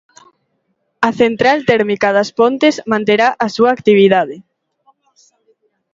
A central térmica das Pontes manterá a súa actividade.